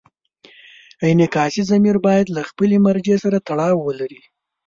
انعکاسي ضمیر باید له خپلې مرجع سره تړاو ولري.